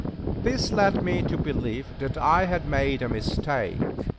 This led me to believe that I had made a mistake.